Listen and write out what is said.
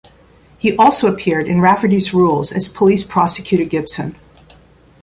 He also appeared in "Rafferty's Rules" as "Police Prosecutor Gibson".